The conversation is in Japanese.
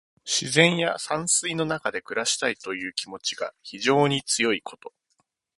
自然や山水の中で暮らしたいという気持ちが非常に強いこと。